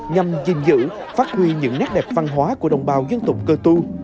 nhằm gìn giữ phát huy những nét đẹp văn hóa của đồng bào dân tộc cơ tu